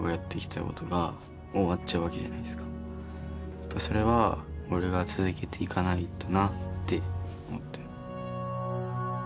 やっぱそれは俺が続けていかないとなって思ってます。